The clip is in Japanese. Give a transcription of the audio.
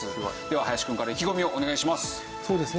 では林くんから意気込みをお願いします。